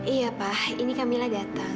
iya pak ini camilla datang